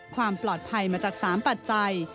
ความปลอดภัยมาจาก๓ปัจจัย